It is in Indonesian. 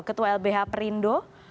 ketua lbh perindo